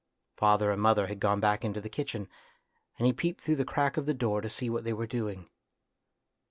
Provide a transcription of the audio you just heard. Father and mother had gone back into the kitchen, and he peeped through the crack of the door to see what they were doing.